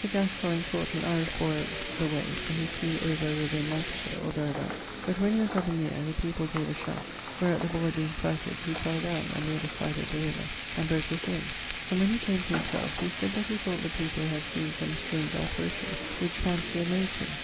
Gascoigne taught an Irish boy the way, and he flew over a river in Lancashire (or therabout), but when he was up in the ayre, the people gave a shoute, wherat the boy being frighted, he fell downe on the other side of the river, and broke his legges, and when he came to himselfe, he sayd that he thought the people had seen some strange apparition, which fancy amazed him.